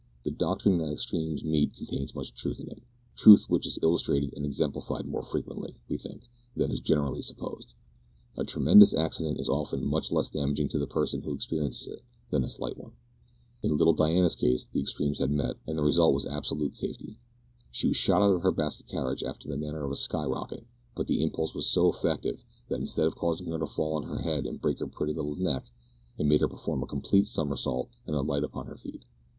The doctrine that extremes meet contains much truth in it truth which is illustrated and exemplified more frequently, we think, than is generally supposed. A tremendous accident is often much less damaging to the person who experiences it than a slight one. In little Diana's case, the extremes had met, and the result was absolute safety. She was shot out of her basket carriage after the manner of a sky rocket, but the impulse was so effective that, instead of causing her to fall on her head and break her pretty little neck, it made her perform a complete somersault, and alight upon her feet.